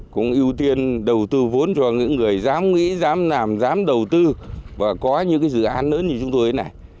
cũng ưu tiên đầu tư vốn cho những người dám nghĩ dám làm dám đầu tư và có những dự án lớn như chúng tôi này